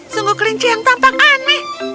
sungguh kelinci yang tampak aneh